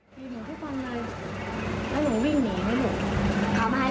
ว่ายังไงแล้วควรงั้นจะกลับไปอีกไหม